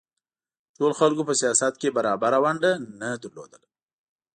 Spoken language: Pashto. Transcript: ټولو خلکو په سیاست کې برابره ونډه نه لرله.